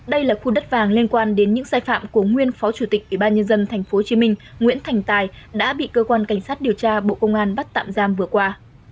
đây là khu đất vàng liên quan đến những sai phạm của nguyên phó chủ tịch ủy ban nhân dân tp hcm nguyễn thành tài đã bị cơ quan cảnh sát điều tra bộ công an bắt tạm giam vừa qua